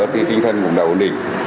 vớt thì tinh thần cũng đã ổn định